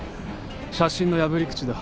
写真の破り口だ。